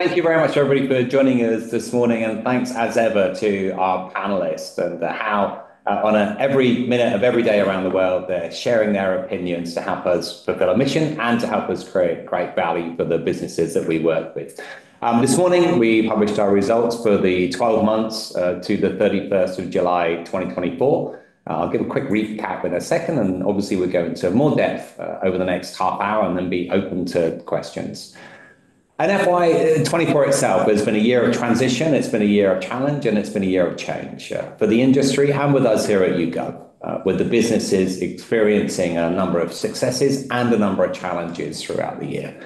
Thank you very much, everybody, for joining us this morning, and thanks as ever to our panelists and those who, on every minute of every day around the world, they're sharing their opinions to help us fulfill our mission and to help us create great value for the businesses that we work with. This morning, we published our results for the twelve months to the thirty-first of July, 2024. I'll give a quick recap in a second, and obviously, we'll go into more depth over the next half hour and then be open to questions. FY 2024 itself has been a year of transition. It's been a year of challenge, and it's been a year of change for the industry and with us here at YouGov, with the businesses experiencing a number of successes and a number of challenges throughout the year.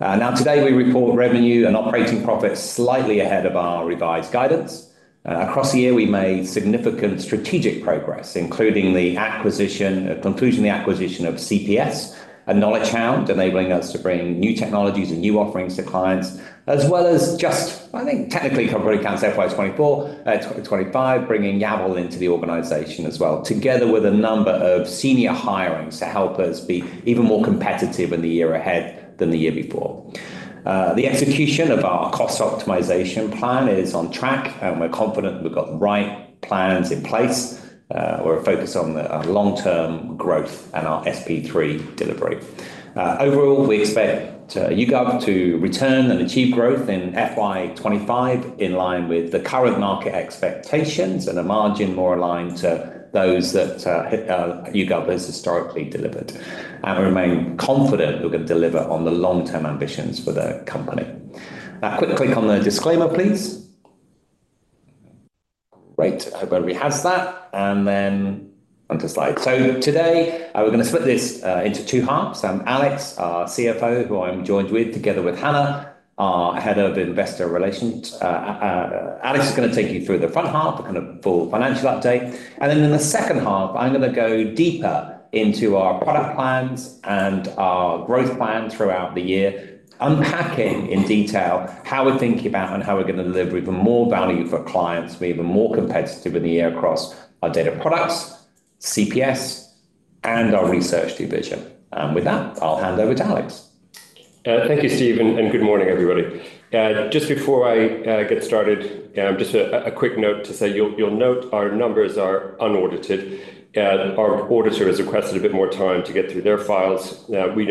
Now, today, we report revenue and operating profits slightly ahead of our revised guidance. Across the year, we made significant strategic progress, including the conclusion of the acquisition of CPS and KnowledgeHound, enabling us to bring new technologies and new offerings to clients, as well as just, I think, technically, probably count FY 2024, 2025, bringing Yabble into the organization as well, together with a number of senior hirings to help us be even more competitive in the year ahead than the year before. The execution of our cost optimization plan is on track, and we're confident we've got the right plans in place. We're focused on the long-term growth and our SP3 delivery. Overall, we expect YouGov to return and achieve growth in FY 2025, in line with the current market expectations and a margin more aligned to those that YouGov has historically delivered, and we remain confident we're gonna deliver on the long-term ambitions for the company. Now, a quick click on the disclaimer, please. Great, hope everybody has that, and then on to slide, so today, we're gonna split this into two halves. Alex, our CFO, who I'm joined with, together with Hannah, our Head of Investor Relations. Alex is gonna take you through the front half, kind of full financial update, and then in the second half, I'm gonna go deeper into our product plans and our growth plan throughout the year, unpacking in detail how we're thinking about and how we're gonna deliver even more value for clients to be even more competitive in the year across our data products, CPS, and our research division, and with that, I'll hand over to Alex. Thank you, Steve, and good morning, everybody. Just before I get started, just a quick note to say you'll note our numbers are unaudited. Our auditor has requested a bit more time to get through their files. We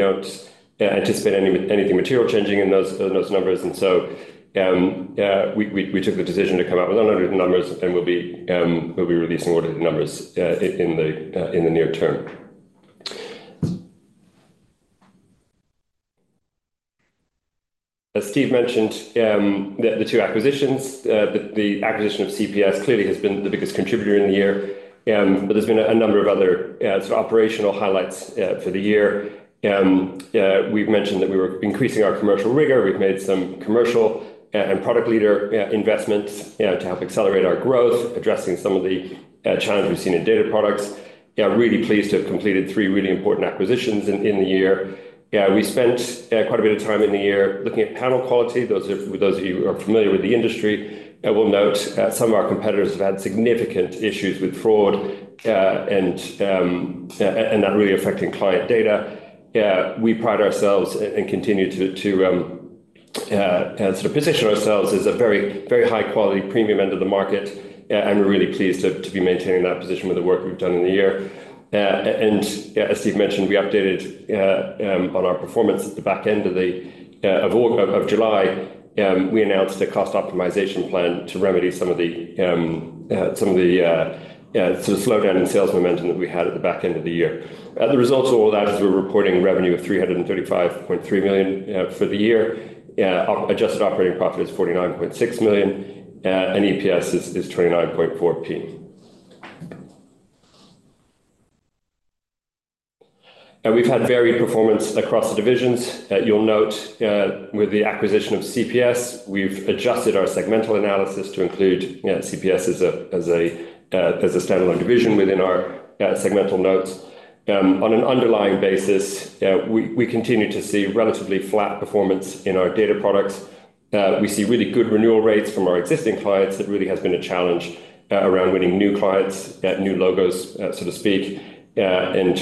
don't anticipate anything material changing in those numbers, and so we took the decision to come out with unaudited numbers, and we'll be releasing audited numbers in the near term. As Steve mentioned, the two acquisitions, the acquisition of CPS clearly has been the biggest contributor in the year. But there's been a number of other sort of operational highlights for the year. We've mentioned that we were increasing our commercial rigor. We've made some commercial, and product leader, investments, you know, to help accelerate our growth, addressing some of the, challenges we've seen in data products. Really pleased to have completed three really important acquisitions in the year. We spent, quite a bit of time in the year looking at panel quality. Those of you who are familiar with the industry, will note, some of our competitors have had significant issues with fraud, and, that really affecting client data. We pride ourselves and continue to, sort of position ourselves as a very, very high-quality premium end of the market, and we're really pleased to be maintaining that position with the work we've done in the year. And as Steve mentioned, we updated on our performance at the back end of July. We announced a cost optimization plan to remedy some of the sort of slowdown in sales momentum that we had at the back end of the year. The results of all that is we're reporting revenue of 335.3 million for the year. Adjusted operating profit is 49.6 million, and EPS is 29.4p. And we've had varied performance across the divisions. You'll note with the acquisition of CPS, we've adjusted our segmental analysis to include CPS as a standalone division within our segmental notes. On an underlying basis, we continue to see relatively flat performance in our data products. We see really good renewal rates from our existing clients. It really has been a challenge around winning new clients, new logos, so to speak. And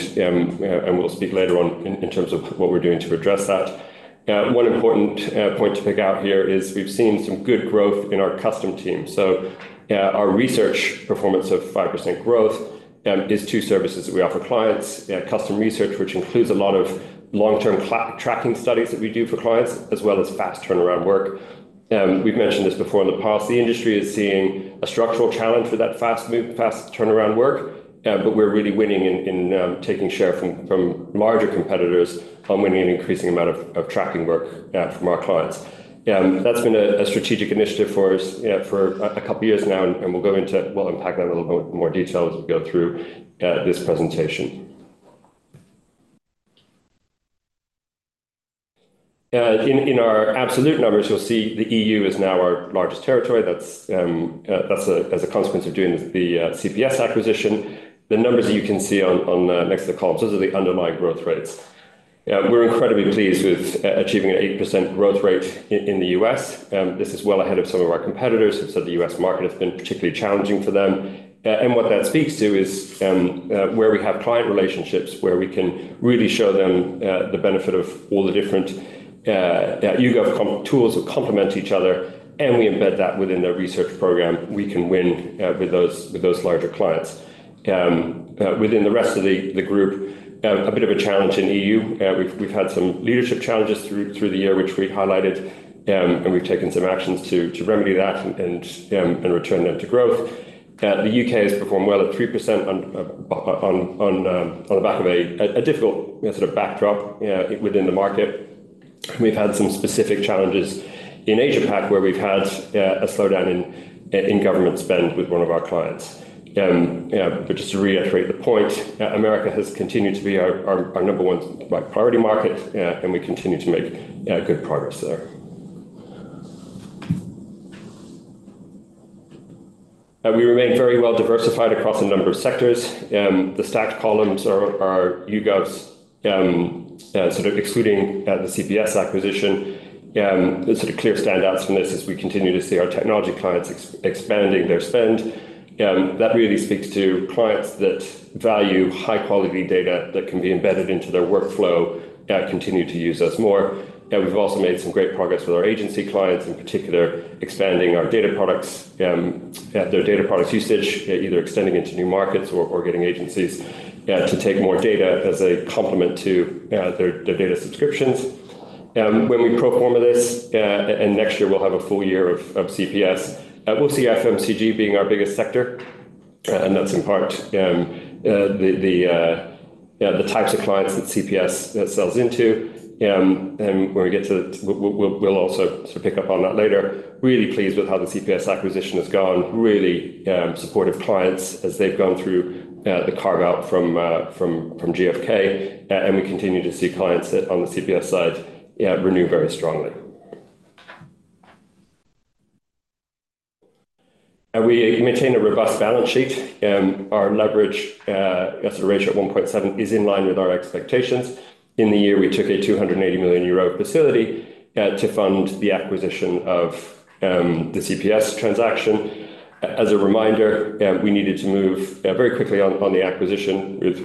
we'll speak later on in terms of what we're doing to address that. One important point to pick out here is we've seen some good growth in our custom team. So, our research performance of 5% growth is two services that we offer clients. Custom research, which includes a lot of long-term tracking studies that we do for clients, as well as fast turnaround work. We've mentioned this before, the polling industry is seeing a structural challenge with that fast-moving, fast turnaround work, but we're really winning in taking share from larger competitors and winning an increasing amount of tracking work from our clients. That's been a strategic initiative for us for a couple of years now, and we'll unpack that in a little bit more detail as we go through this presentation. In our absolute numbers, you'll see the EU is now our largest territory. That's as a consequence of doing the CPS acquisition. The numbers you can see next to the columns, those are the underlying growth rates. Yeah, we're incredibly pleased with achieving an 8% growth rate in the U.S. This is well ahead of some of our competitors, so the U.S. market has been particularly challenging for them, and what that speaks to is where we have client relationships, where we can really show them the benefit of all the different YouGov tools that complement each other, and we embed that within their research program, we can win with those larger clients. Within the rest of the group, a bit of a challenge in EU. We've had some leadership challenges through the year, which we highlighted, and we've taken some actions to remedy that and return them to growth. The U.K. has performed well at 3% on the back of a difficult sort of backdrop within the market. We've had some specific challenges in Asia-Pac, where we've had a slowdown in government spend with one of our clients. But just to reiterate the point, America has continued to be our number one, like, priority market, and we continue to make good progress there. We remain very well diversified across a number of sectors. The stacked columns are YouGov's, sort of excluding the CPS acquisition. The sort of clear standouts from this is we continue to see our technology clients expanding their spend. That really speaks to clients that value high-quality data that can be embedded into their workflow, continue to use us more. And we've also made some great progress with our agency clients, in particular, expanding our data products, their data products usage, either extending into new markets or getting agencies to take more data as a complement to their data subscriptions. When we pro forma this, and next year, we'll have a full year of CPS, we'll see FMCG being our biggest sector, and that's in part yeah the types of clients that CPS sells into. And when we get to the, we'll also sort of pick up on that later. Really pleased with how the CPS acquisition has gone. Really, supportive clients as they've gone through the carve-out from GfK, and we continue to see clients that on the CPS side renew very strongly. We maintain a robust balance sheet. Our leverage, as a ratio at 1.7, is in line with our expectations. In the year, we took a 280 million euro facility to fund the acquisition of the CPS transaction. As a reminder, we needed to move very quickly on the acquisition, with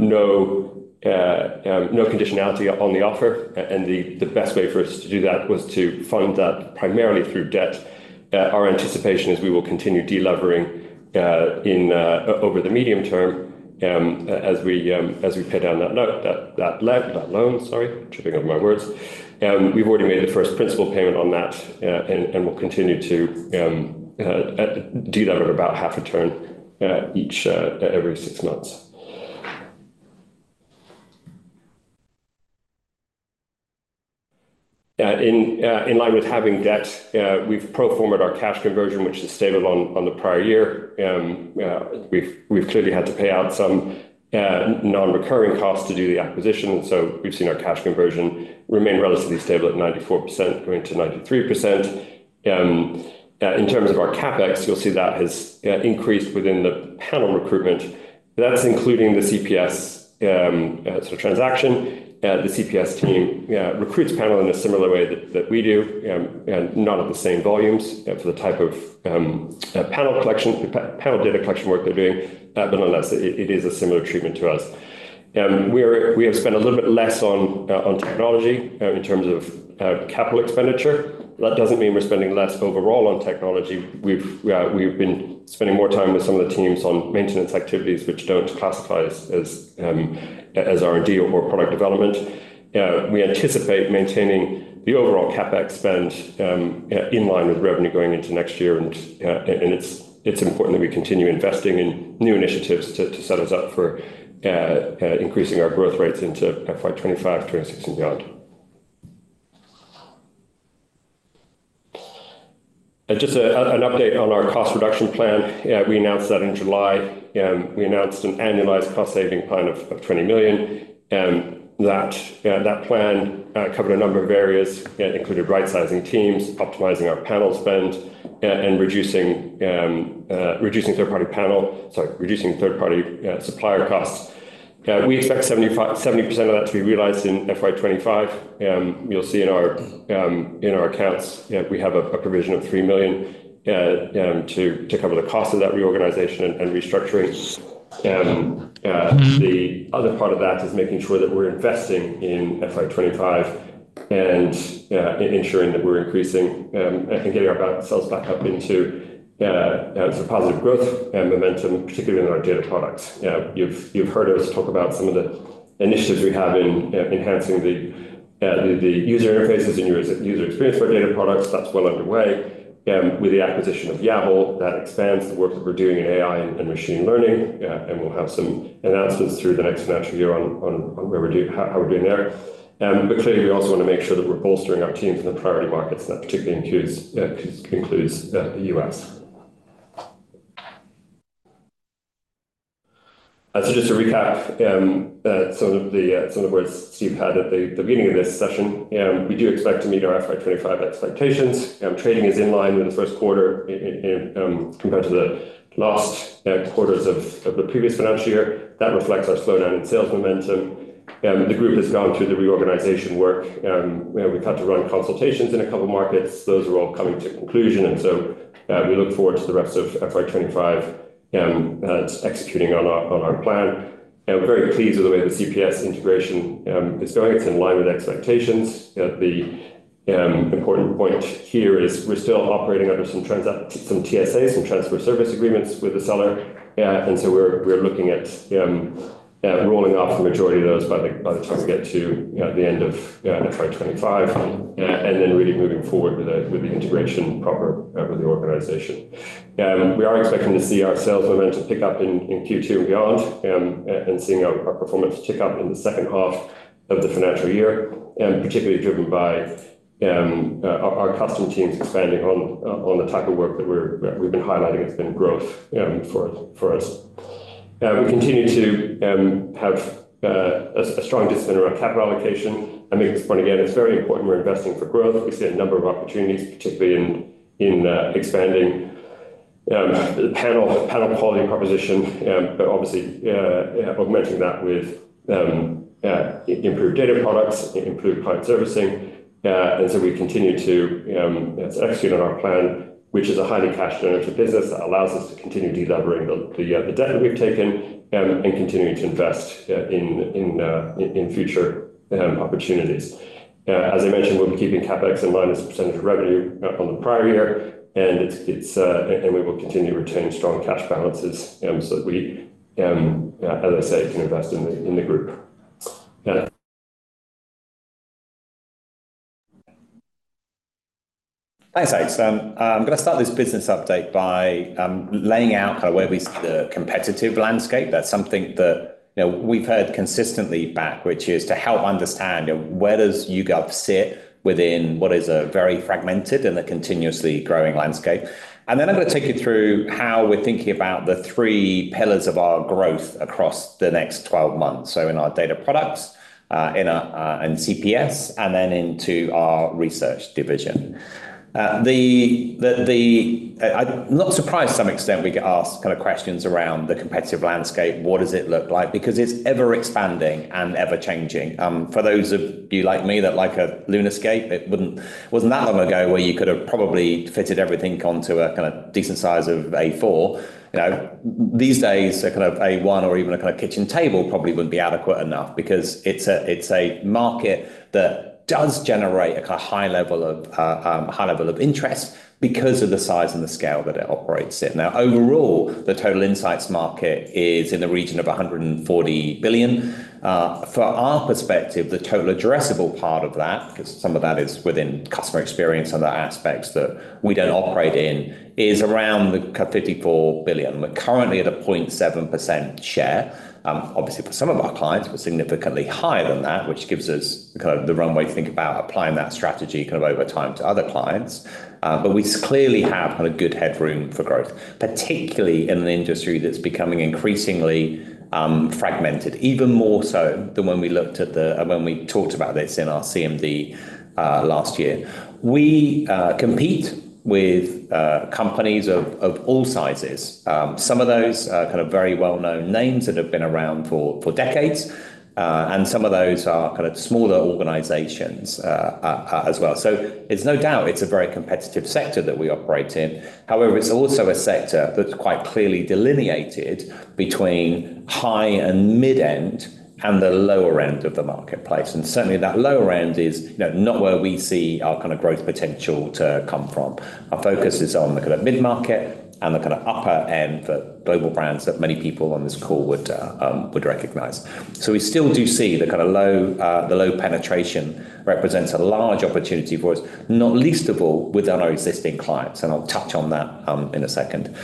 no conditionality on the offer, and the best way for us to do that was to fund that primarily through debt. Our anticipation is we will continue de-levering over the medium term, as we pay down that loan, sorry, tripping over my words. We've already made the first principal payment on that, and we'll continue to do that at about half a turn every six months. In line with having debt, we've pro forma'd our cash conversion, which is stable on the prior year. We've clearly had to pay out some non-recurring costs to do the acquisition, so we've seen our cash conversion remain relatively stable at 94%, going to 93%. In terms of our CapEx, you'll see that has increased within the panel recruitment. That's including the CPS sort of transaction. The CPS team recruits panel in a similar way that we do, not at the same volumes, for the type of panel collection, panel data collection work they're doing. Nonetheless, it is a similar treatment to us. We have spent a little bit less on technology, in terms of capital expenditure. That doesn't mean we're spending less overall on technology. We've been spending more time with some of the teams on maintenance activities, which don't classify as R&D or product development. We anticipate maintaining the overall CapEx spend in line with revenue going into next year, and it's important that we continue investing in new initiatives to set us up for increasing our growth rates into FY 2025, 2026, and beyond. Just an update on our cost reduction plan. We announced that in July, we announced an annualized cost-saving plan of 20 million. That plan covered a number of areas, including right-sizing teams, optimizing our panel spend, and reducing third-party supplier costs. We expect 75, 70% of that to be realized in FY 2025. You'll see in our accounts, we have a provision of three million to cover the cost of that reorganization and restructuring. The other part of that is making sure that we're investing in FY 2025 and ensuring that we're increasing, I think, getting our sales back up into sort of positive growth and momentum, particularly in our data products. You've heard us talk about some of the initiatives we have in enhancing the user interfaces and user experience for our data products. That's well underway. With the acquisition of Yabble, that expands the work that we're doing in AI and machine learning, and we'll have some announcements through the next natural year on where we're doing, how we're doing there. But clearly, we also wanna make sure that we're bolstering our teams in the priority markets that particularly includes the U.S., so just to recap some of the words Steve had at the beginning of this session. We do expect to meet our FY 2025 expectations. Trading is in line with the first quarter, in compared to the last quarters of the previous financial year. That reflects our slowdown in sales momentum. The group has gone through the reorganization work. We've had to run consultations in a couple of markets. Those are all coming to conclusion, and so we look forward to the rest of FY 2025, executing on our plan, and we're very pleased with the way the CPS integration is going. It's in line with expectations. The important point here is we're still operating under some TSAs, some transfer service agreements with the seller. And so we're looking at rolling off the majority of those by the time we get to the end of FY 2025, and then really moving forward with the integration proper with the organization. We are expecting to see our sales momentum pick up in Q2 and beyond, and seeing our performance pick up in the second half of the financial year, particularly driven by our custom teams expanding on the type of work that we've been highlighting. It's been growth for us. We continue to have a strong discipline around capital allocation. I make this point again, it's very important we're investing for growth. We see a number of opportunities, particularly in expanding the panel quality proposition, but obviously augmenting that with improved data products and improved client servicing, and so we continue to execute on our plan, which is a highly cash generative business that allows us to continue delevering the debt that we've taken, and continuing to invest in future opportunities. As I mentioned, we'll be keeping CapEx in line as a percentage of revenue on the prior year, and we will continue to retain strong cash balances, so that we, as I say, can invest in the group. Yeah. Thanks, Alex. I'm gonna start this business update by laying out where we see the competitive landscape. That's something that, you know, we've heard consistently back, which is to help understand, where does YouGov sit within what is a very fragmented and a continuously growing landscape? And then I'm gonna take you through how we're thinking about the three pillars of our growth across the next twelve months. So in our data products, and CPS, and then into our research division. I'm not surprised to some extent we get asked kind of questions around the competitive landscape. What does it look like? Because it's ever-expanding and ever-changing. For those of you like me, that like a LUMAscape, it wasn't that long ago where you could have probably fitted everything onto a kinda decent size of A4. You know, these days, a kind of AI or even a kind of kitchen table probably wouldn't be adequate enough because it's a market that does generate a high level of interest because of the size and the scale that it operates in. Now, overall, the total insights market is in the region of 140 billion. From our perspective, the total addressable part of that, 'cause some of that is within customer experience and other aspects that we don't operate in, is around the 54 billion. We're currently at a 0.7% share. Obviously, for some of our clients, we're significantly higher than that, which gives us kind of the runway to think about applying that strategy kind of over time to other clients. But we clearly have a good headroom for growth, particularly in an industry that's becoming increasingly fragmented, even more so than when we talked about this in our CMD last year. We compete with companies of all sizes. Some of those are kind of very well-known names that have been around for decades, and some of those are kind of smaller organizations as well. So there's no doubt it's a very competitive sector that we operate in. However, it's also a sector that's quite clearly delineated between high and mid-end and the lower end of the marketplace, and certainly that lower end is, you know, not where we see our kinda growth potential to come from. Our focus is on the kinda mid-market and the kinda upper end for global brands that many people on this call would recognize. So we still do see the kinda low penetration represents a large opportunity for us, not least of all with our existing clients, and I'll touch on that in a second.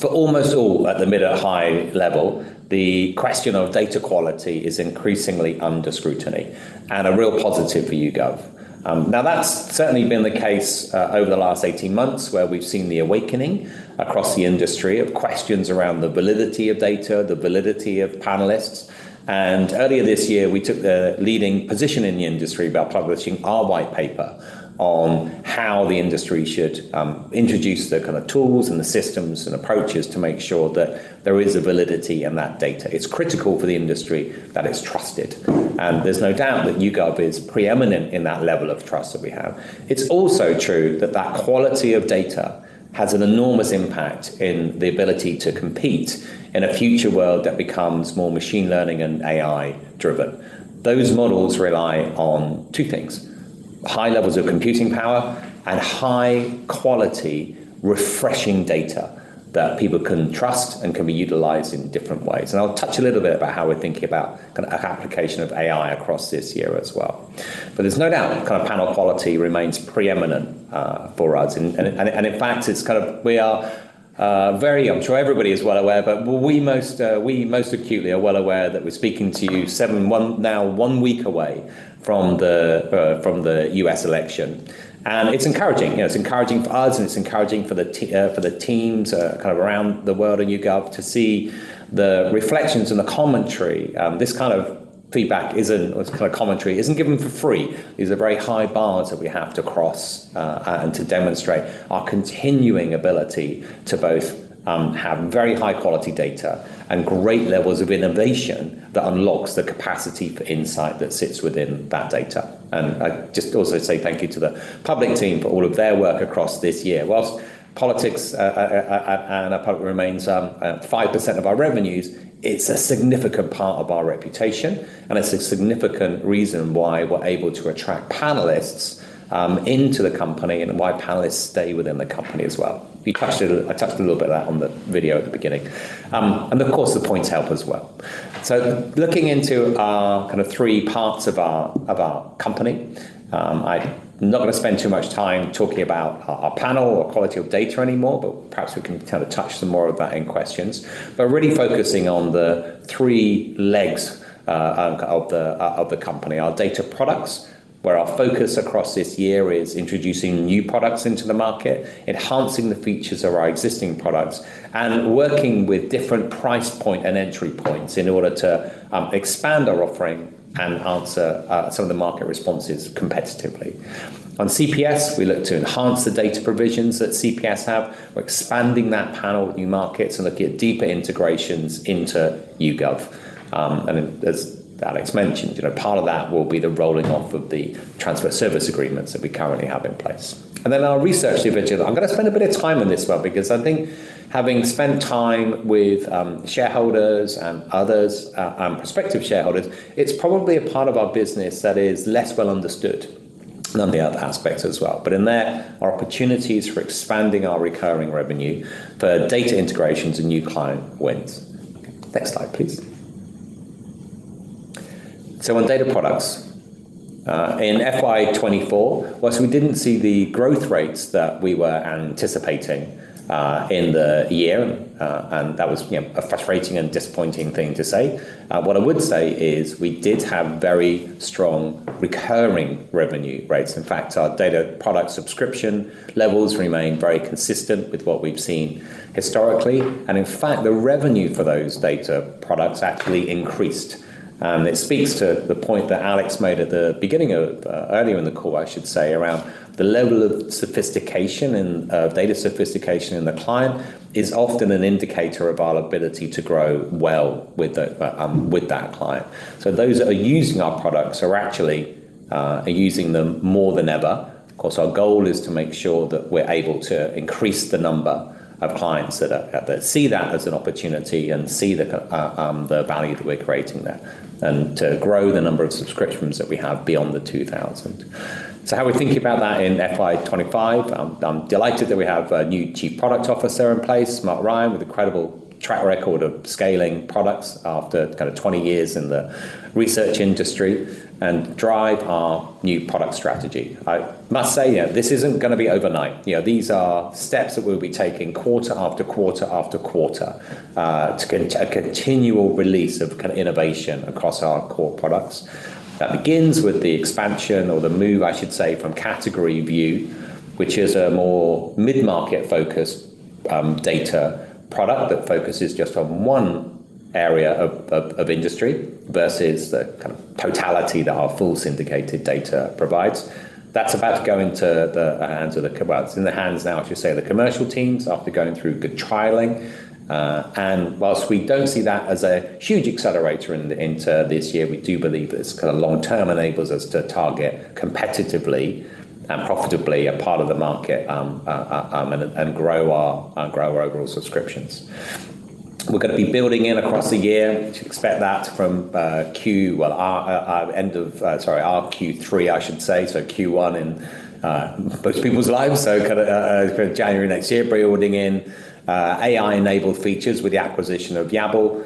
For almost all at the mid or high level, the question of data quality is increasingly under scrutiny and a real positive for YouGov. Now, that's certainly been the case over the last eighteen months, where we've seen the awakening across the industry of questions around the validity of data, the validity of panelists. And earlier this year, we took the leading position in the industry by publishing our white paper on how the industry should introduce the kind of tools and the systems and approaches to make sure that there is a validity in that data. It's critical for the industry that it's trusted, and there's no doubt that YouGov is preeminent in that level of trust that we have. It's also true that that quality of data has an enormous impact in the ability to compete in a future world that becomes more machine learning and AI-driven. Those models rely on two things: high levels of computing power and high-quality, refreshing data that people can trust and can be utilized in different ways. And I'll touch a little bit about how we're thinking about kind of application of AI across this year as well. But there's no doubt kind of panel quality remains preeminent for us. And in fact, I'm sure everybody is well aware, but we most acutely are well aware that we're speaking to you seven one now one week away from the U.S. election. And it's encouraging. You know, it's encouraging for us, and it's encouraging for the teams kind of around the world in YouGov to see the reflections and the commentary. This kind of feedback isn't, or this kind of commentary, isn't given for free. These are very high bars that we have to cross and to demonstrate our continuing ability to both have very high-quality data and great levels of innovation that unlocks the capacity for insight that sits within that data. I'd just also say thank you to the public team for all of their work across this year. While politics and our public remains 5% of our revenues, it's a significant part of our reputation, and it's a significant reason why we're able to attract panelists into the company and why panelists stay within the company as well. We touched a little. I touched a little bit of that on the video at the beginning. And of course, the points help as well. Looking into our kind of three parts of our company, I'm not gonna spend too much time talking about our panel or quality of data anymore, but perhaps we can kind of touch some more of that in questions. Really focusing on the three legs of the company. Our data products, where our focus across this year is introducing new products into the market, enhancing the features of our existing products, and working with different price point and entry points in order to expand our offering and answer some of the market responses competitively. On CPS, we look to enhance the data provisions that CPS have. We're expanding that panel with new markets and looking at deeper integrations into YouGov. And as Alex mentioned, you know, part of that will be the rolling off of the transfer service agreements that we currently have in place, and then our research division. I'm gonna spend a bit of time on this one because I think having spent time with shareholders and others and prospective shareholders, it's probably a part of our business that is less well understood than the other aspects as well. In there are opportunities for expanding our recurring revenue for data integrations and new client wins. Next slide, please. On data products, in FY 2024, while we didn't see the growth rates that we were anticipating in the year, and that was, you know, a frustrating and disappointing thing to say. What I would say is we did have very strong recurring revenue rates. In fact, our data product subscription levels remain very consistent with what we've seen historically, and in fact, the revenue for those data products actually increased. It speaks to the point that Alex made at the beginning of, earlier in the call, I should say, around the level of sophistication and data sophistication in the client is often an indicator of our ability to grow well with that client. So those that are using our products are actually using them more than ever. Of course, our goal is to make sure that we're able to increase the number of clients that see that as an opportunity and see the value that we're creating there, and to grow the number of subscriptions that we have beyond the 2,000. So how are we thinking about that in FY 2025? I'm delighted that we have a new Chief Product Officer in place, Marc Ryan, with a credible track record of scaling products after kind of 20 years in the research industry, and drive our new product strategy. I must say, you know, this isn't gonna be overnight. You know, these are steps that we'll be taking quarter-after-quarter-after-quarter to get a continual release of kind of innovation across our core products. That begins with the expansion, or the move, I should say, from CategoryView, which is a more mid-market-focused data product that focuses just on one area of industry versus the kind of totality that our full syndicated data provides. That's about to go into the hands of the... well, it's in the hands now, I should say, of the commercial teams after going through good trialing. Whilst we don't see that as a huge accelerator into this year, we do believe that it's kinda long term enables us to target competitively and profitably a part of the market, and grow our overall subscriptions. We're gonna be building in across the year. You should expect that from Q3, I should say, so Q1 in most people's lives, so kinda January next year, building in AI-enabled features with the acquisition of Yabble,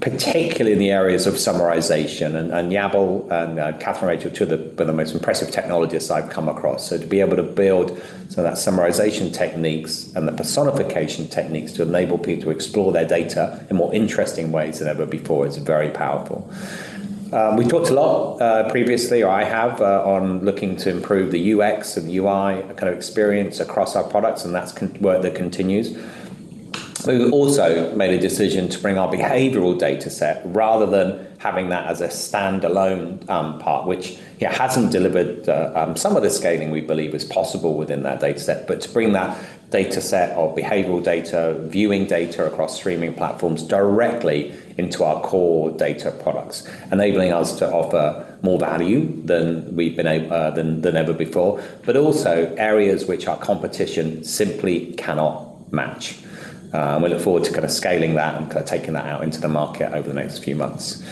particularly in the areas of summarization. And Yabble and Kathryn, Rachel, two of the most impressive technologists I've come across. So to be able to build, so that summarization techniques and the personification techniques to enable people to explore their data in more interesting ways than ever before, is very powerful. We've talked a lot previously, or I have, on looking to improve the UX and UI kind of experience across our products, and that's work that continues. We've also made a decision to bring our behavioral data set, rather than having that as a standalone part, which yeah hasn't delivered some of the scaling we believe is possible within that data set. But to bring that data set of behavioral data, viewing data across streaming platforms directly into our core data products, enabling us to offer more value than we've been able than ever before, but also areas which our competition simply cannot match. We look forward to kind of scaling that and kind of taking that out into the market over the next few months.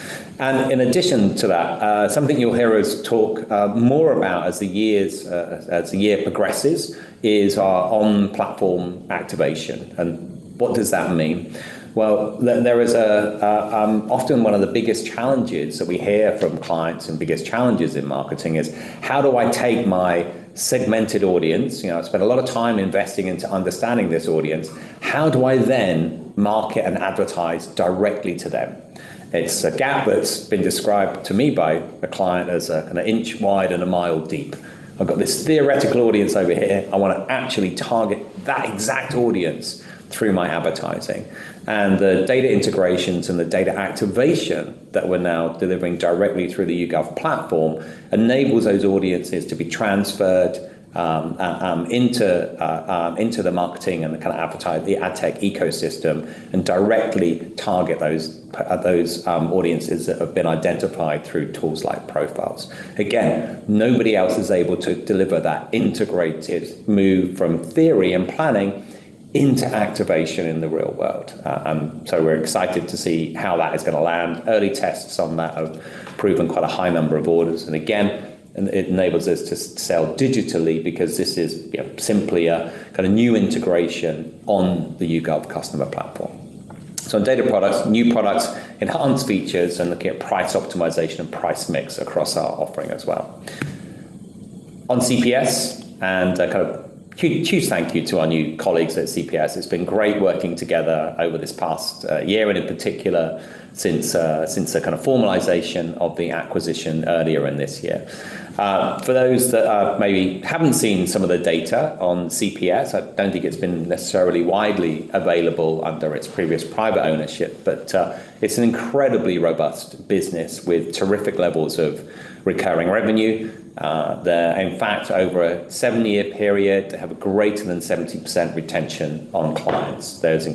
And in addition to that, something you'll hear us talk more about as the year progresses, is our on-platform activation. And what does that mean? There is often one of the biggest challenges that we hear from clients and biggest challenges in marketing is: How do I take my segmented audience, you know, I spent a lot of time investing into understanding this audience, how do I then market and advertise directly to them? It's a gap that's been described to me by a client as an inch wide and a mile deep. I've got this theoretical audience over here. I wanna actually target that exact audience through my advertising, and the data integrations and the data activation that we're now delivering directly through the YouGov platform enables those audiences to be transferred into the marketing and the ad tech ecosystem and directly target those audiences that have been identified through tools like Profiles. Again, nobody else is able to deliver that integrated move from theory and planning into activation in the real world, and so we're excited to see how that is gonna land. Early tests on that have proven quite a high number of orders, and again, it enables us to sell digitally because this is, you know, simply a kind of new integration on the YouGov customer platform. So data products, new products, enhanced features, and looking at price optimization and price mix across our offering as well. On CPS, and a kind of huge, huge thank you to our new colleagues at CPS. It's been great working together over this past year, and in particular, since the kind of formalization of the acquisition earlier in this year. For those that maybe haven't seen some of the data on CPS, I don't think it's been necessarily widely available under its previous private ownership, but it's an incredibly robust business with terrific levels of recurring revenue. They're, in fact, over a seven-year period, have a greater than 70% retention on clients. There is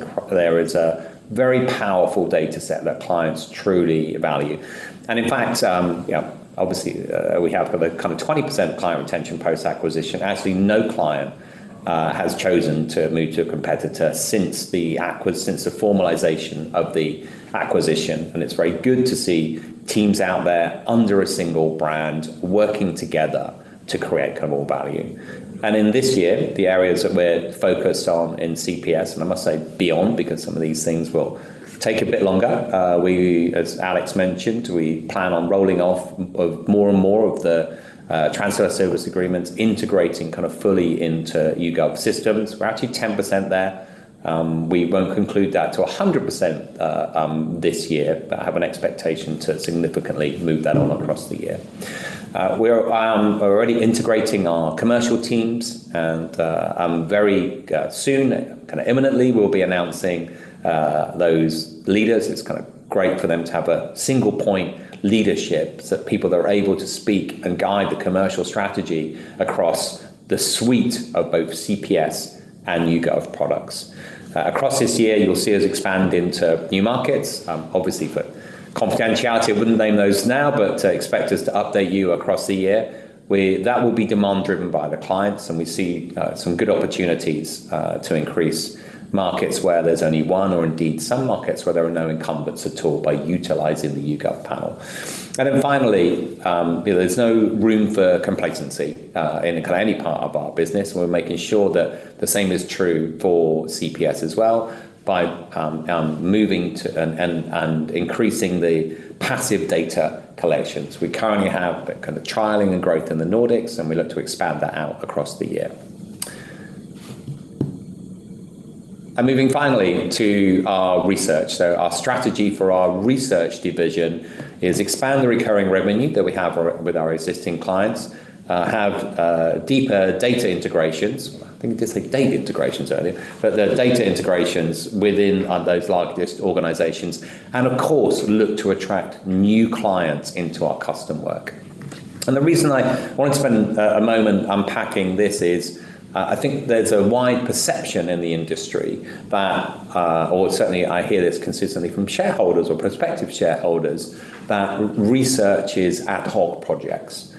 a very powerful data set that clients truly value. And in fact, you know, obviously, we have got a kind of 20% client retention post-acquisition. Actually, no client has chosen to move to a competitor since the formalization of the acquisition, and it's very good to see teams out there under a single brand, working together to create kind of more value. In this year, the areas that we're focused on in CPS, and I must say beyond, because some of these things will take a bit longer, we, as Alex mentioned, we plan on rolling off of more and more of the transfer service agreements, integrating kind of fully into YouGov systems. We're actually 10% there. We won't conclude that to 100%, this year, but have an expectation to significantly move that on across the year. We are already integrating our commercial teams, and very soon, kind of imminently, we'll be announcing those leaders. It's kind of great for them to have a single-point leadership so that people are able to speak and guide the commercial strategy across the suite of both CPS and YouGov products. Across this year, you'll see us expand into new markets. Obviously, for confidentiality, I wouldn't name those now, but expect us to update you across the year, where that will be demand-driven by the clients, and we see some good opportunities to increase markets where there's only one, or indeed some markets where there are no incumbents at all by utilizing the YouGov panel. And then finally, there's no room for complacency in kind of any part of our business, and we're making sure that the same is true for CPS as well by moving to and increasing the passive data collections. We currently have kind of trialing and growth in the Nordics, and we look to expand that out across the year. And moving finally to our research. Our strategy for our research division is expand the recurring revenue that we have with our existing clients, have deeper data integrations. I think I did say data integrations earlier, but the data integrations within those largest organizations, and of course, look to attract new clients into our custom work. The reason I want to spend a moment unpacking this is, I think there's a wide perception in the industry that, or certainly I hear this consistently from shareholders or prospective shareholders, that research is ad hoc projects.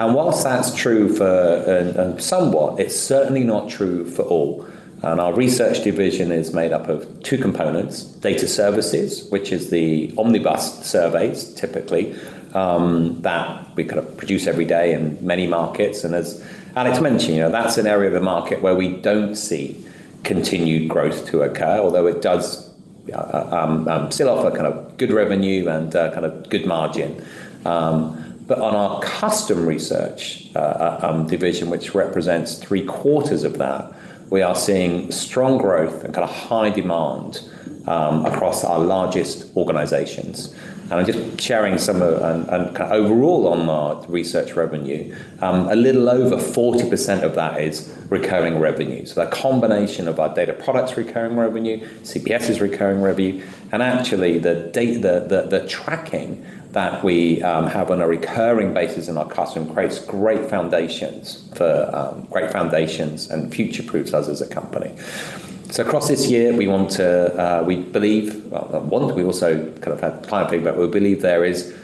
Whilst that's true for somewhat, it's certainly not true for all. Our research division is made up of two components: data services, which is the omnibus surveys, typically, that we kind of produce every day in many markets. As Alex mentioned, you know, that's an area of the market where we don't see continued growth to occur, although it does still offer kind of good revenue and kind of good margin. But on our custom research division, which represents three-quarters of that, we are seeing strong growth and kind of high demand across our largest organizations. And I'm just sharing some of and kind of overall on our research revenue, a little over 40% of that is recurring revenue. So that combination of our data products recurring revenue, CPS's recurring revenue, and actually the tracking that we have on a recurring basis in our custom creates great foundations for great foundations and future-proofs us as a company. Across this year, we want to we believe, well, one, we also kind of had client feedback, but we believe there is,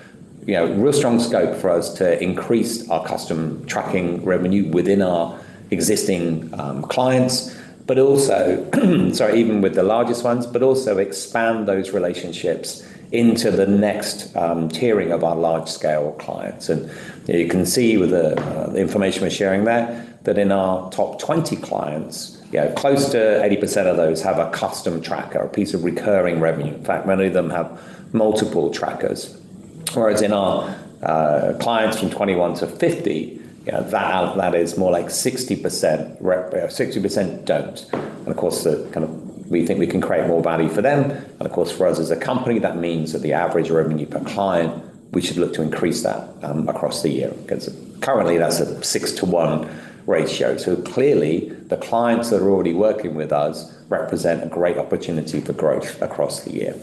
you know, real strong scope for us to increase our custom tracking revenue within our existing clients, but also, sorry, even with the largest ones, but also expand those relationships into the next tiering of our large-scale clients. And you can see with the information we're sharing there, that in our top 20 clients, you know, close to 80% of those have a custom tracker, a piece of recurring revenue. In fact, many of them have multiple trackers. Whereas in our clients from 21 to 50, you know, that is more like 60% don't. Of course, the kind of we think we can create more value for them, and of course, for us as a company, that means that the average revenue per client, we should look to increase that, across the year. Because currently, that's a six-to-one ratio. So clearly, the clients that are already working with us represent a great opportunity for growth across the year.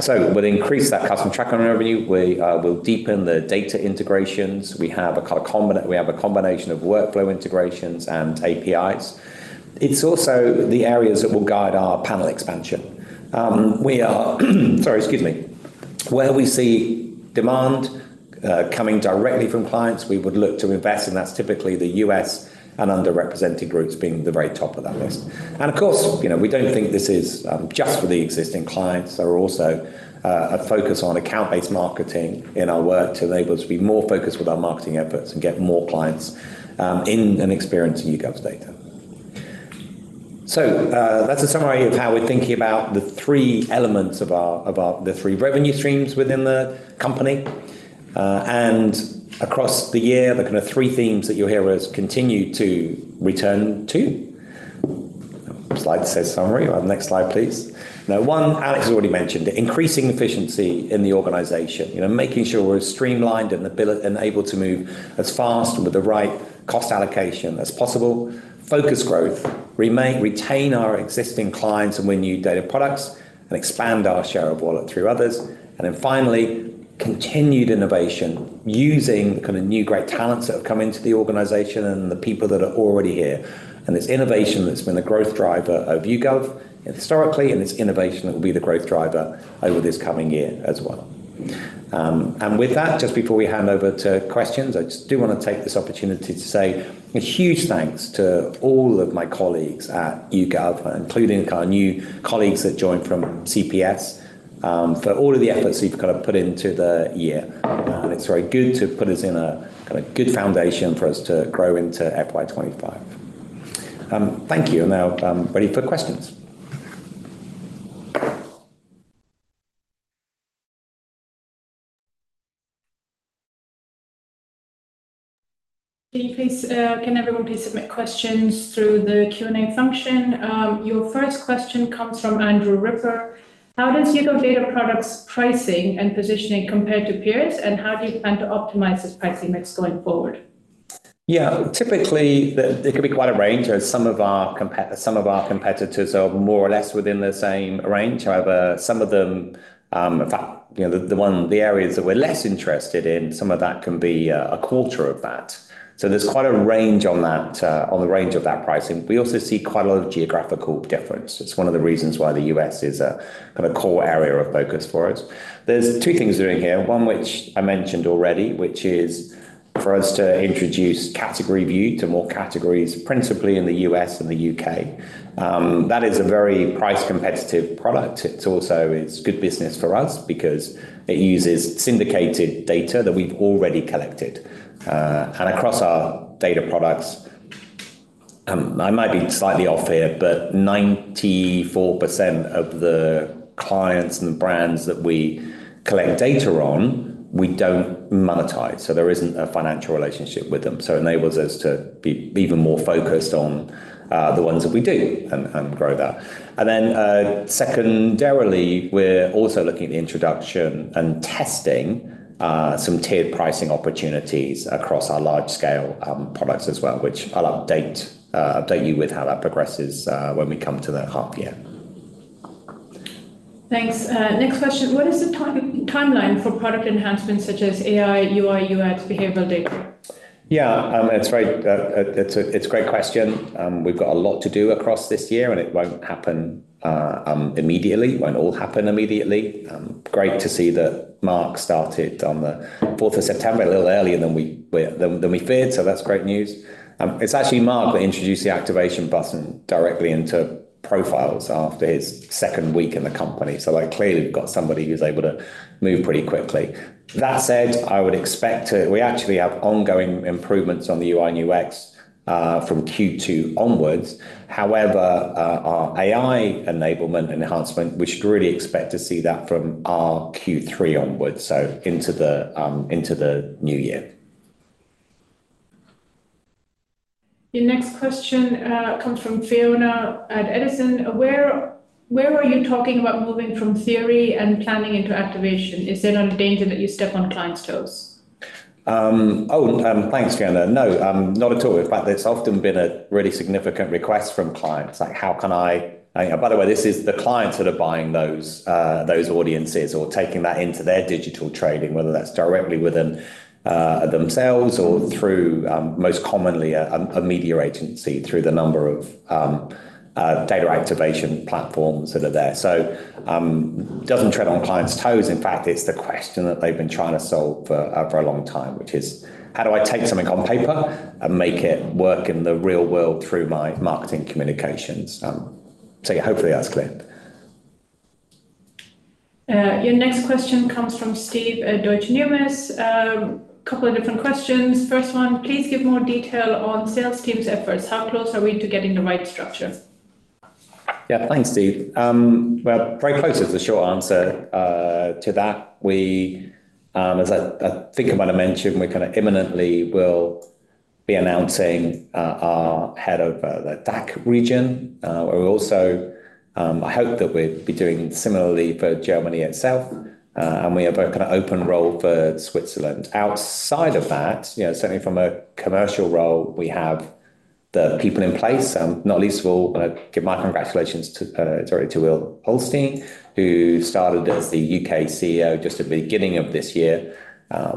So we'll increase that custom tracker revenue. We will deepen the data integrations. We have a combination of workflow integrations and APIs. It's also the areas that will guide our panel expansion. Where we see demand coming directly from clients, we would look to invest, and that's typically the U.S. and underrepresented groups being the very top of that list. Of course, you know, we don't think this is just for the existing clients. There are also a focus on account-based marketing in our work to enable us to be more focused with our marketing efforts and get more clients in and experiencing YouGov's data. So that's a summary of how we're thinking about the three elements of our the three revenue streams within the company. And across the year, the kinda three themes that you'll hear us continue to return to. Slide says summary. Next slide, please. Now, one, Alex has already mentioned, increasing efficiency in the organization. You know, making sure we're streamlined and able to move as fast with the right cost allocation as possible. Focus growth, retain our existing clients and win new data products and expand our share of wallet through others. And then finally, continued innovation using kind of new, great talents that have come into the organization and the people that are already here. It's innovation that's been the growth driver of YouGov historically, and it's innovation that will be the growth driver over this coming year as well. And with that, just before we hand over to questions, I just do wanna take this opportunity to say a huge thanks to all of my colleagues at YouGov, including our new colleagues that joined from CPS, for all of the efforts you've kind of put into the year. It's very good to put us in a kind of good foundation for us to grow into FY 2025. Thank you. I'm now ready for questions. Can you please, can everyone please submit questions through the Q&A function? Your first question comes from Andrew Ripper. How does YouGov Data Products pricing and positioning compare to peers, and how do you plan to optimize this pricing mix going forward? Yeah, typically there can be quite a range as some of our competitors are more or less within the same range. However, some of them, in fact, you know, the one, the areas that we're less interested in, some of that can be a quarter of that. So there's quite a range on that, on the range of that pricing. We also see quite a lot of geographical difference. It's one of the reasons why the U.S. is a kinda core area of focus for us. There's two things doing here, one which I mentioned already, which is for us to introduce CategoryView to more categories, principally in the U.S. and the U.K. That is a very price-competitive product. It's also good business for us because it uses syndicated data that we've already collected. And across our data products, I might be slightly off here, but 94% of the clients and the brands that we collect data on, we don't monetize, so there isn't a financial relationship with them. So it enables us to be even more focused on the ones that we do and grow that. And then, secondarily, we're also looking at the introduction and testing some tiered pricing opportunities across our large-scale products as well, which I'll update you with how that progresses when we come to the half year. Thanks. Next question: What is the timeline for product enhancements such as AI, UI, UX, behavioral data? Yeah, it's right. It's a great question. We've got a lot to do across this year, and it won't happen immediately, it won't all happen immediately. Great to see that Marc started on the fourth of September, a little earlier than we feared, so that's great news. It's actually Marc that introduced the activation button directly into Profiles after his second week in the company. So, like, clearly, we've got somebody who's able to move pretty quickly. That said, I would expect to... We actually have ongoing improvements on the UI and UX from Q2 onwards. However, our AI enablement and enhancement, we should really expect to see that from our Q3 onwards, so into the new year. .Your next question comes from Fiona at Edison. Where were you talking about moving from theory and planning into activation? Is there not a danger that you step on clients' toes? Oh, thanks, Fiona. No, not at all. In fact, there's often been a really significant request from clients, like, "How can I..." By the way, this is the clients that are buying those audiences or taking that into their digital trading, whether that's directly within themselves or through, most commonly, a media agency, through the number of data activation platforms that are there. Doesn't tread on clients' toes. In fact, it's the question that they've been trying to solve for a long time, which is: how do I take something on paper and make it work in the real world through my marketing communications? Yeah, hopefully, that's clear. Your next question comes from Steve at Deutsche Numis. A couple of different questions. First one, please give more detail on sales team's efforts. How close are we to getting the right structure? Yeah. Thanks, Steve. Well, very close is the short answer to that. We, as I think I might have mentioned, we kind of imminently will be announcing our head of the DACH region, where we also, I hope that we'll be doing similarly for Germany itself, and we have a kind of open role for Switzerland. Outside of that, you know, certainly from a commercial role, we have the people in place, not least of all, give my congratulations to, sorry, to Will Hotham, who started as the U.K. CEO just at the beginning of this year.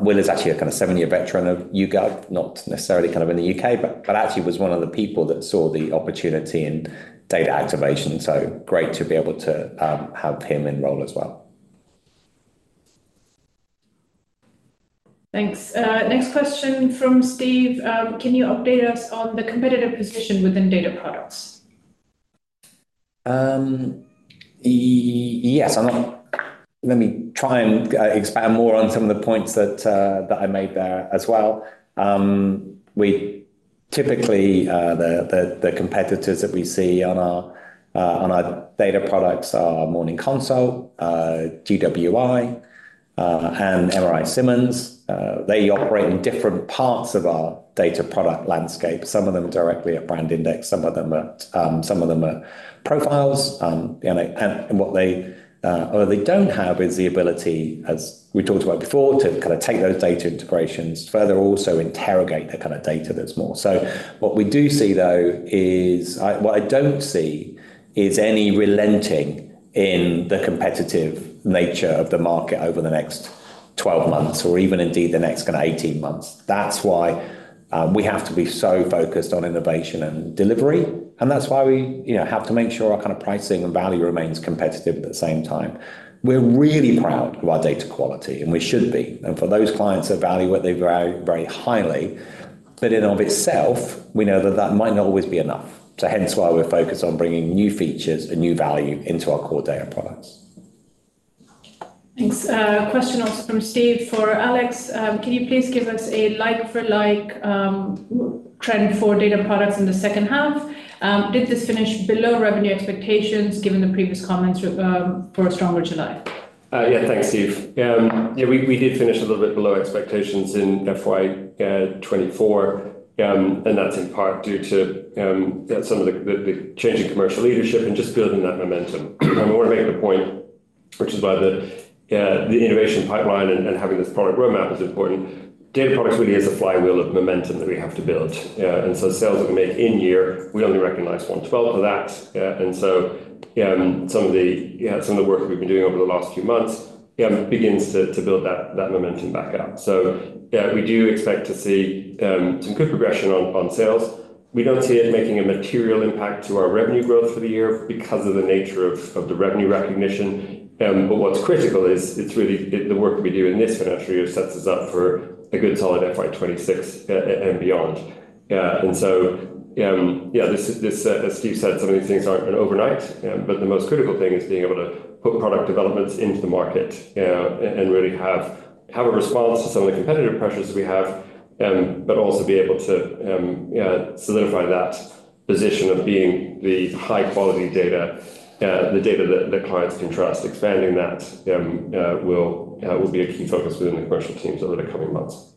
Will is actually a kind of seven-year veteran of YouGov, not necessarily kind of in the U.K., but actually was one of the people that saw the opportunity in data activation. So great to be able to have him enroll as well. Thanks. Next question from Steve. Can you update us on the competitive position within data products? Yes, let me try and expand more on some of the points that I made there as well. The competitors that we see on our data products are Morning Consult, GWI, and MRI-Simmons. They operate in different parts of our data product landscape. Some of them are directly at BrandIndex, some of them are Profiles. And what they don't have is the ability, as we talked about before, to kind of take those data integrations further, also interrogate the kind of data that's more. So what we do see, though, is what I don't see is any relenting in the competitive nature of the market over the next twelve months or even indeed the next kind of eighteen months. That's why we have to be so focused on innovation and delivery, and that's why we, you know, have to make sure our kind of pricing and value remains competitive at the same time. We're really proud of our data quality, and we should be. And for those clients that value what they value very highly, but in and of itself, we know that that might not always be enough. So hence why we're focused on bringing new features and new value into our core data products. Thanks. A question also from Steve for Alex: Can you please give us a like for like trend for data products in the second half? Did this finish below revenue expectations, given the previous comments, for a stronger July? Yeah. Thanks, Steve. Yeah, we did finish a little bit below expectations in FY 2024, and that's in part due to some of the change in commercial leadership and just building that momentum. I want to make the point, which is why the innovation pipeline and having this product roadmap is important. Data products really is a flywheel of momentum that we have to build, and so sales that we make in year, we only recognize one twelfth of that. And so some of the work we've been doing over the last few months begins to build that momentum back up. So, yeah, we do expect to see some good progression on sales. We don't see it making a material impact to our revenue growth for the year because of the nature of the revenue recognition. What's critical is the work we do in this financial year sets us up for a good, solid FY 2026 and beyond. As Steve said, some of these things aren't overnight, but the most critical thing is being able to put product developments into the market and really have a response to some of the competitive pressures we have, but also be able to solidify that position of being the high-quality data, the data that clients can trust. Expanding that will be a key focus within the commercial teams over the coming months.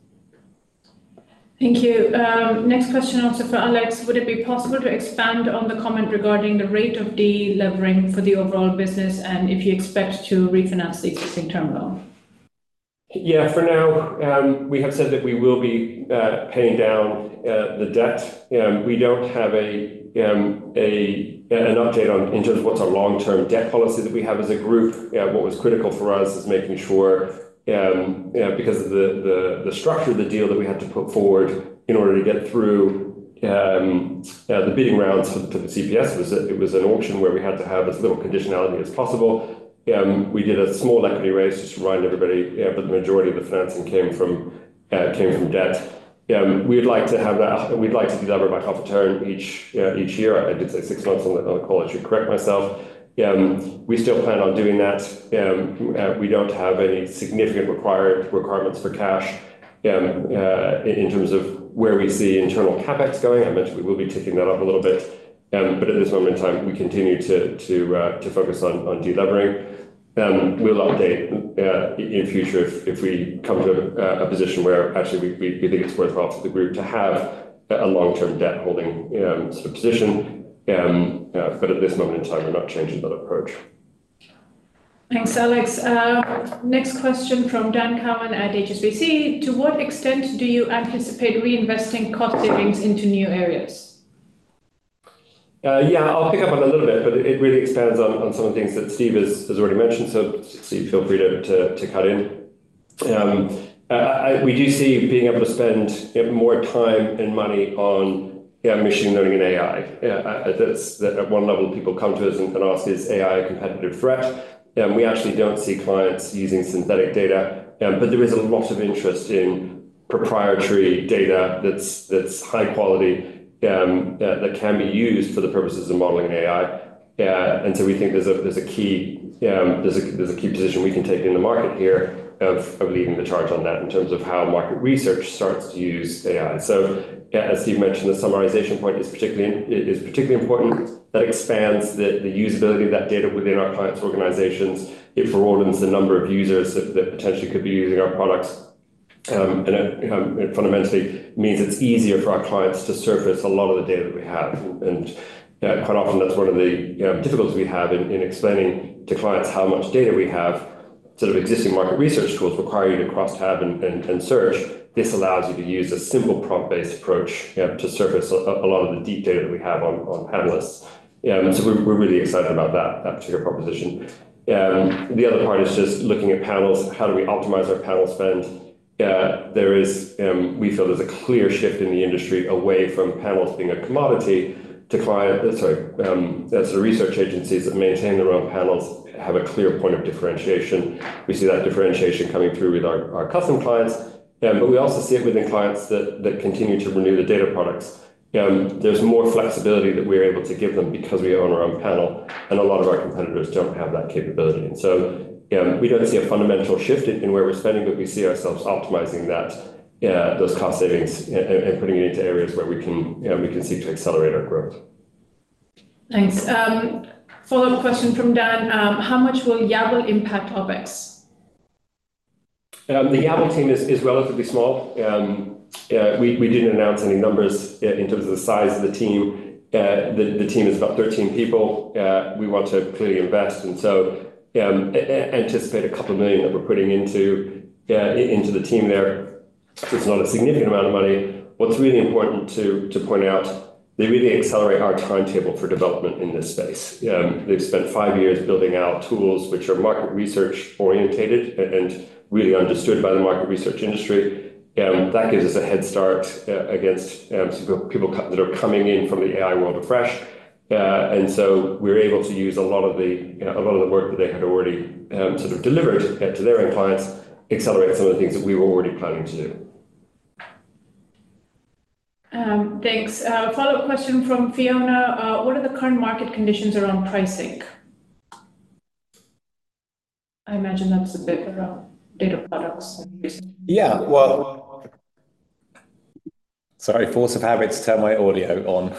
Thank you. Next question also for Alex: Would it be possible to expand on the comment regarding the rate of delevering for the overall business and if you expect to refinance the existing term loan? Yeah, for now, we have said that we will be paying down the debt. We don't have an update on in terms of what's our long-term debt policy that we have as a group. What was critical for us is making sure because of the structure of the deal that we had to put forward in order to get through the bidding rounds to the CPS, was that it was an auction where we had to have as little conditionality as possible. We did a small equity raise just to remind everybody, but the majority of the financing came from debt. We'd like to have that... We'd like to delever by half a turn each year. I did say six months on the call. I should correct myself. We still plan on doing that. We don't have any significant requirements for cash. In terms of where we see internal CapEx going, I mentioned we will be ticking that up a little bit, but at this moment in time, we continue to focus on delevering. We'll update in future if we come to a position where actually we think it's worthwhile for the group to have a long-term debt holding, sort of position. But at this moment in time, we're not changing that approach. .Thanks, Alex. Next question from Dan Cowan at HSBC. To what extent do you anticipate reinvesting cost savings into new areas? Yeah, I'll pick up on a little bit, but it really expands on some of the things that Steve has already mentioned, so Steve, feel free to cut in. We do see being able to spend more time and money on, yeah, machine learning and AI. That's, at one level, people come to us and ask, is AI a competitive threat? And we actually don't see clients using synthetic data, but there is a lot of interest in proprietary data that's high quality, that can be used for the purposes of modeling AI. And so we think there's a key position we can take in the market here of leading the charge on that in terms of how market research starts to use AI. So yeah, as Steve mentioned, the summarization point is particularly important. That expands the usability of that data within our clients' organizations. It broadens the number of users that potentially could be using our products. And it fundamentally means it's easier for our clients to surface a lot of the data that we have. And yeah, quite often, that's one of the, you know, difficulties we have in explaining to clients how much data we have. Sort of existing market research tools require you to cross-tab and search. This allows you to use a simple prompt-based approach, yeah, to surface a lot of the deep data that we have on panelists. Yeah, and so we're really excited about that particular proposition. The other part is just looking at panels. How do we optimize our panel spend? There is, we feel there's a clear shift in the industry away from panels being a commodity to client. Sorry, so research agencies that maintain their own panels have a clear point of differentiation. We see that differentiation coming through with our custom clients, but we also see it within clients that continue to renew the data products. There's more flexibility that we're able to give them because we own our own panel, and a lot of our competitors don't have that capability. And so, we don't see a fundamental shift in where we're spending, but we see ourselves optimizing that, those cost savings and putting it into areas where we can, you know, we can seek to accelerate our growth. Thanks. Follow-up question from Dan. How much will Yabble impact OpEx? The Yabble team is relatively small. We didn't announce any numbers in terms of the size of the team. The team is about 13 people. We want to clearly invest, and so anticipate a couple million that we're putting into the team there. It's not a significant amount of money. What's really important to point out, they really accelerate our timetable for development in this space. They've spent 5 years building out tools which are market research oriented and really understood by the market research industry, that gives us a head start against some people that are coming in from the AI world afresh. And so we're able to use a lot of the, you know, a lot of the work that they had already sort of delivered to their own clients, accelerate some of the things that we were already planning to do. Thanks. A follow-up question from Fiona. What are the current market conditions around pricing? I imagine that's a bit around data products and research. Yeah, well... Sorry, force of habit to turn my audio on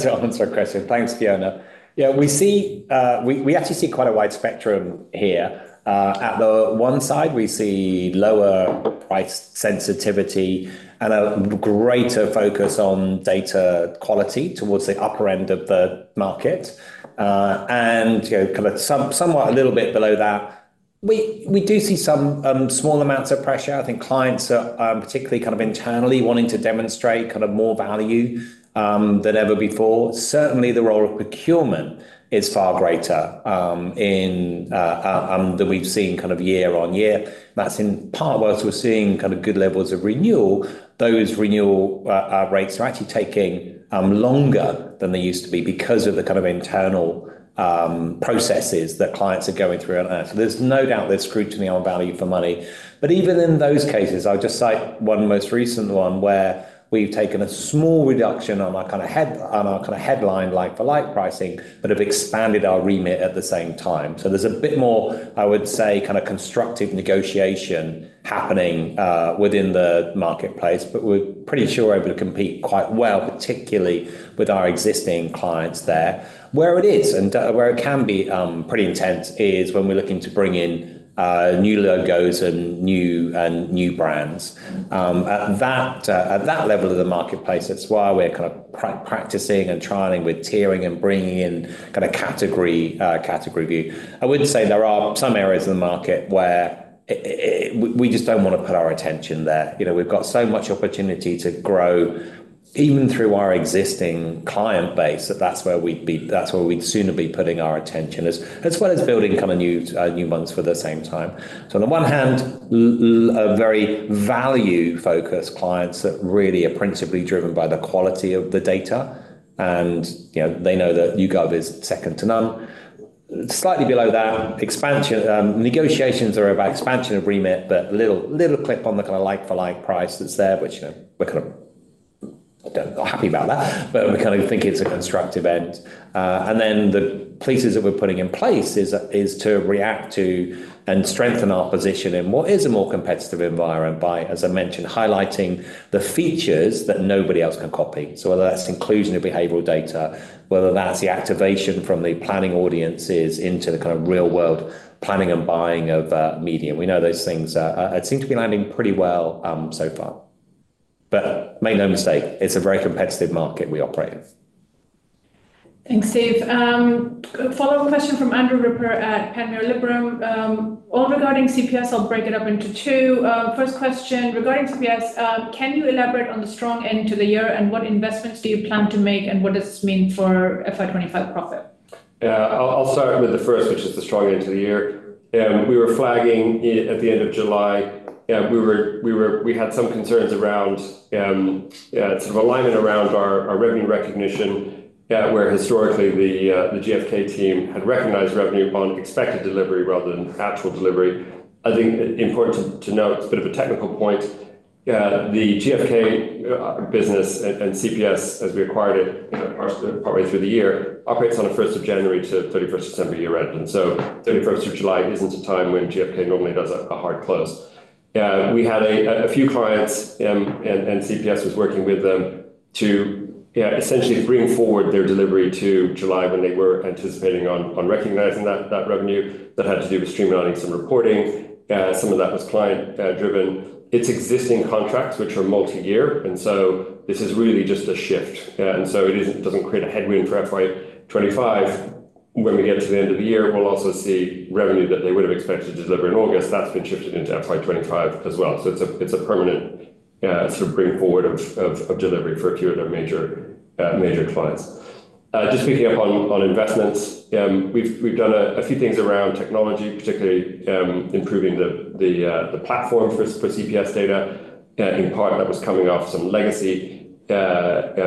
to answer a question. Thanks, Fiona. Yeah, we see, we actually see quite a wide spectrum here. At the one side, we see lower price sensitivity and a greater focus on data quality towards the upper end of the market. And, you know, kind of somewhat a little bit below that, we do see some small amounts of pressure. I think clients are particularly kind of internally wanting to demonstrate kind of more value than ever before. Certainly, the role of procurement is far greater than we've seen kind of year-on-year. That's in part, whilst we're seeing kind of good levels of renewal, those renewal rates are actually taking longer than they used to be because of the kind of internal processes that clients are going through. And so there's no doubt there's scrutiny on value for money. But even in those cases, I'll just cite one most recent one, where we've taken a small reduction on our kind of headline like-for-like pricing, but have expanded our remit at the same time. So there's a bit more, I would say, kind of constructive negotiation happening within the marketplace, but we're pretty sure we're able to compete quite well, particularly with our existing clients there. Where it is and where it can be pretty intense is when we're looking to bring in new logos and new brands. At that level of the marketplace, that's why we're kind of practicing and trialing with tiering and bringing in kind of CategoryView. I would say there are some areas of the market where we just don't want to put our attention there. You know, we've got so much opportunity to grow even through our existing client base, that's where we'd sooner be putting our attention, as well as building kind of new ones at the same time. So on the one hand, low very value-focused clients that really are principally driven by the quality of the data, and, you know, they know that YouGov is second to none. Slightly below that, expansion negotiations are about expansion of remit, but little clip on the kind of like-for-like price that's there, which, you know, we're kind of, I don't know, happy about that, but we kind of think it's a constructive end. And then the places that we're putting in place is to react to and strengthen our position in what is a more competitive environment by, as I mentioned, highlighting the features that nobody else can copy. So whether that's inclusion of behavioral data, whether that's the activation from the planning audiences into the kind of real-world planning and buying of media, we know those things seem to be landing pretty well, so far. But make no mistake, it's a very competitive market we operate in. Thanks, Steve. A follow-up question from Andrew Ripper at Panmure Liberum. All regarding CPS, I'll break it up into two. First question regarding CPS, can you elaborate on the strong end to the year, and what investments do you plan to make, and what does this mean for FY 2025 profit? Yeah, I'll start with the first, which is the strong end to the year. We were flagging it at the end of July, and we were. We had some concerns around sort of alignment around our revenue recognition, where historically the GfK team had recognized revenue upon expected delivery rather than actual delivery. I think important to note, it's a bit of a technical point, the GfK business and CPS, as we acquired it partly through the year, operates on the first of January to thirty-first of December year end, and so thirty-first of July isn't a time when GfK normally does a hard close. We had a few clients, and CPS was working with them to essentially bring forward their delivery to July, when they were anticipating on recognizing that revenue that had to do with streamlining some reporting. Some of that was client driven. It's existing contracts, which are multi-year, and so this is really just a shift. It isn't, it doesn't create a headwind for FY 2025. When we get to the end of the year, we'll also see revenue that they would have expected to deliver in August. That's been shifted into FY 2025 as well. It's a permanent sort of bring forward of delivery for a few of their major clients. Just picking up on investments, we've done a few things around technology, particularly improving the platform for CPS data. In part, that was coming off some legacy technology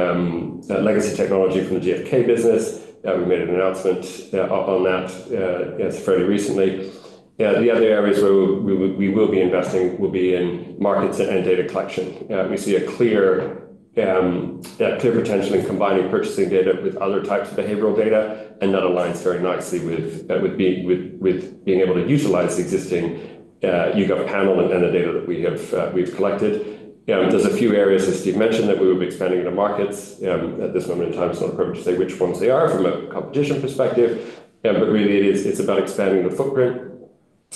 from the GfK business. We made an announcement on that, yes, fairly recently. The other areas where we will be investing will be in markets and data collection. We see a clear potential in combining purchasing data with other types of behavioral data, and that aligns very nicely with being able to utilize existing YouGov panel and the data that we have, we've collected. There's a few areas, as Steve mentioned, that we will be expanding into markets, at this moment in time, it's not appropriate to say which ones they are from a competition perspective, but really it is, it's about expanding the footprint.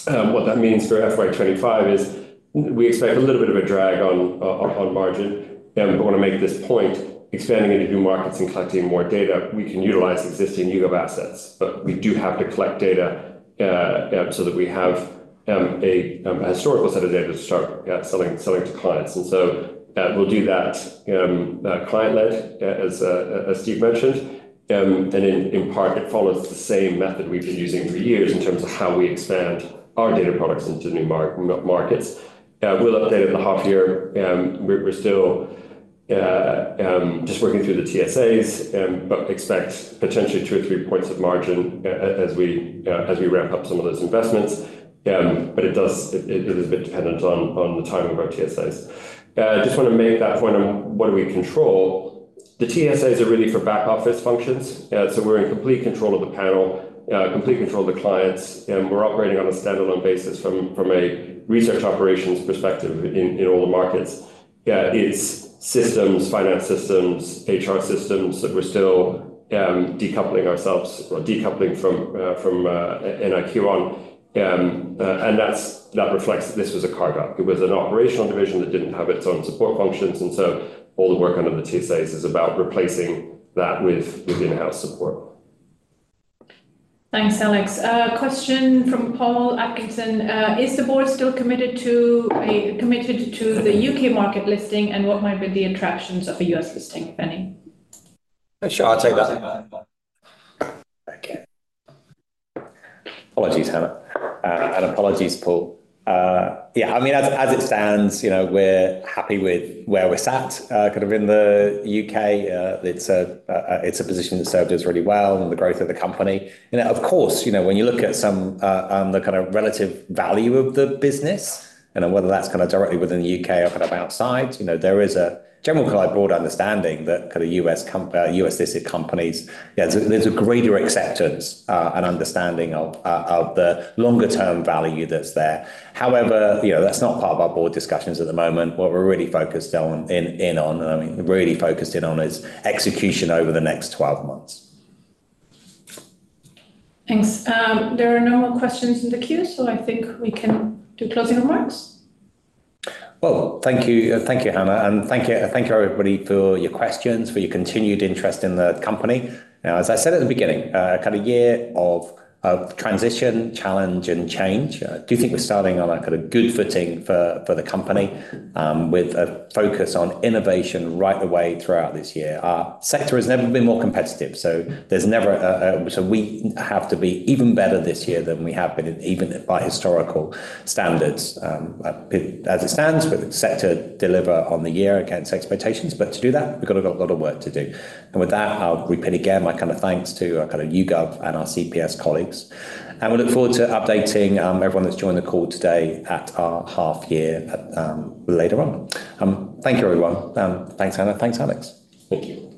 What that means for FY 2025 is we expect a little bit of a drag on margin, but want to make this point, expanding into new markets and collecting more data, we can utilize existing YouGov assets, but we do have to collect data, so that we have a historical set of data to start selling to clients. We'll do that, client-led, as Steve mentioned, and in part, it follows the same method we've been using for years in terms of how we expand our data products into new markets. We'll update at the half year. We're still just working through the TSAs, but expect potentially two or three points of margin as we ramp up some of those investments. But it does. It is a bit dependent on the timing of our TSAs. I just want to make that point on what do we control. The TSAs are really for back-office functions. So we're in complete control of the panel, complete control of the clients, and we're operating on a standalone basis from a research operations perspective in all the markets. It's systems, finance systems, HR systems, that we're still decoupling ourselves or decoupling from NIQ on, and that's, that reflects that this was a carve-out. It was an operational division that didn't have its own support functions, and so all the work under the TSAs is about replacing that with in-house support. Thanks, Alex. Question from Paul Atkinson, "Is the board still committed to a, committed to the U.K. market listing, and what might be the attractions of a U.S. listing, if any? Sure, I'll take that. Okay. Apologies, Hannah, and apologies, Paul. Yeah, I mean, as it stands, you know, we're happy with where we're sat, kind of in the U.K.. It's a position that served us really well and the growth of the company. You know, of course, you know, when you look at some, the kind of relative value of the business and whether that's kind of directly within the U.K. or kind of outside, you know, there is a general kind of broad understanding that kind of U.S. comp... U.S.-listed companies, yeah, there's a greater acceptance and understanding of the longer-term value that's there. However, you know, that's not part of our board discussions at the moment. What we're really focused on, I mean, really focused in on, is execution over the next twelve months. Thanks. There are no more questions in the queue, so I think we can do closing remarks. Thank you. Thank you, Hannah, and thank you, thank you, everybody, for your questions, for your continued interest in the company. Now, as I said at the beginning, kind of year of transition, challenge and change, do you think we're starting on a kind of good footing for the company, with a focus on innovation right the way throughout this year? Our sector has never been more competitive, so there's never so we have to be even better this year than we have been, even by historical standards. As it stands, we're set to deliver on the year against expectations, but to do that, we've got a lot of work to do. And with that, I'll repeat again, my kind of thanks to our kind of YouGov and our CPS colleagues, and we look forward to updating everyone that's joined the call today at our half year later on. Thank you, everyone. Thanks, Hannah. Thanks, Alex. Thank you.